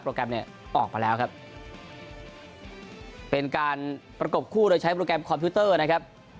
แกรมเนี่ยออกมาแล้วครับเป็นการประกบคู่โดยใช้โปรแกรมคอมพิวเตอร์นะครับ